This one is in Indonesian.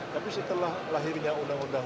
tapi setelah lahirnya undang undang